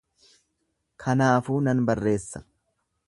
Kanaafuu nan barreessa.